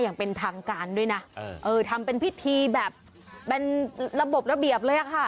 อย่างเป็นทางการด้วยนะเออทำเป็นพิธีแบบเป็นระบบระเบียบเลยอะค่ะ